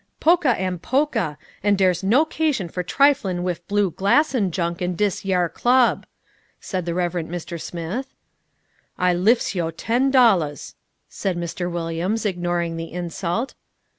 "Pokah am pokah, and dar's no 'casion fer triflin' wif blue glass 'n junk in dis yar club," said the Reverend Mr. Smith. "I liffs yo' ten dollahs," said Mr. Williams, ignoring the insult.